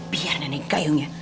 biar nenek gayungnya